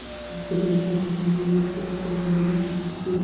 কিছুক্ষণ পর পরই খাতা নামিয়ে রেখে তাকে চোখ বন্ধ করে বিশ্রাম করতে দেখা যাচ্ছে।